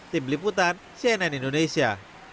tim liputan cnn indonesia